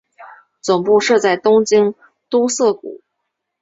总部设在东京都涩谷。